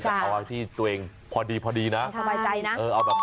แต่เอาที่ตัวเองพอดีนะ